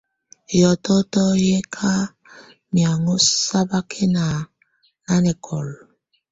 Hiɔ̀tɔtɔ yɛ̀ kà mianhɔ̀á sabakɛ̀na nanɛkɔla.